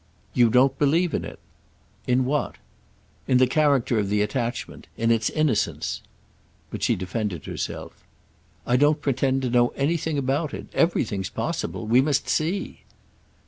"You don't believe in it!" "In what?" "In the character of the attachment. In its innocence." But she defended herself. "I don't pretend to know anything about it. Everything's possible. We must see."